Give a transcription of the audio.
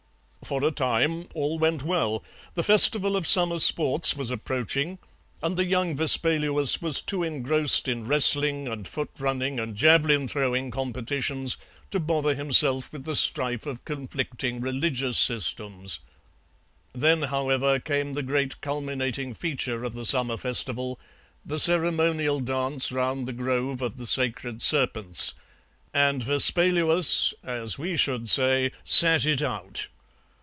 "For a time all went well; the festival of summer sports was approaching, and the young Vespaluus was too engrossed in wrestling and foot running and javelin throwing competitions to bother himself with the strife of conflicting religious systems. Then, however, came the great culminating feature of the summer festival, the ceremonial dance round the grove of the sacred serpents, and Vespaluus, as we should say, 'sat it out.'